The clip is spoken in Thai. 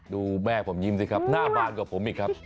แม่ผมยิ้มสิครับหน้าบานกว่าผมอีกครับ